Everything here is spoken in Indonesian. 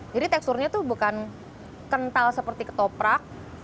jadi teksturnya tuh bukan kental seperti ketoprak